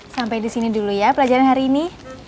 sampai disini dulu ya pelajaran hari ini